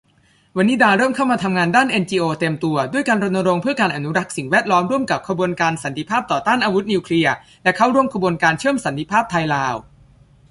วนิดาเริ่มเข้ามาทำงานด้านเอ็นจีโอเต็มตัว ด้วยการรณรงค์เพื่อการอนุรักษ์สิ่งแวดล้อมร่วมกับขบวนการสันติภาพต่อต้าน อาวุธนิวเคลียร์ และเข้าร่วมขบวนการเชื่อมสันติภาพไทยลาว